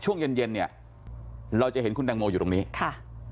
ช่วงเย็นเย็นเนี่ยเราจะเห็นคุณแตงโมอยู่ตรงนี้ค่ะ